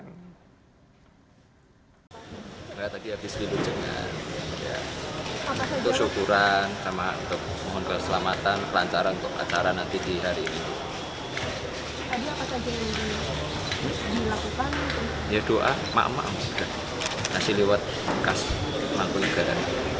selain itu undangan dijamu dengan nasi lewat khas mangkunegara